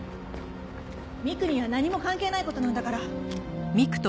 美玖には何も関係ない事なんだから。